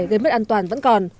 gây mất an toàn vẫn còn